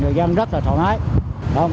người dân rất là thoải mái